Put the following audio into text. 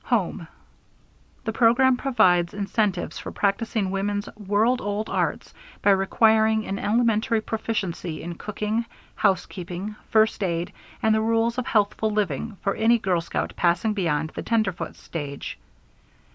Home. The program provides incentives for practicing woman's world old arts by requiring an elementary proficiency in cooking, housekeeping, first aid, and the rules of healthful living for any girl scout passing beyond the Tenderfoot stage.